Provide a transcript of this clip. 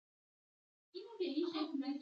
د دوی لاسونه کار کوي.